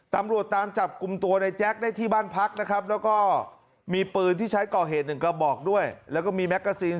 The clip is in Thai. ตำรวจตามจับกลุ่มตัวในแจ๊คได้ที่บ้านพักนะครับแล้วก็มีปืนที่ใช้ก่อเหตุหนึ่งกระบอกด้วยแล้วก็มีแมกกาซีน